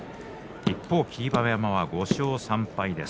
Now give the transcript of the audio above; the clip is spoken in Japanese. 霧馬山は５勝３敗です。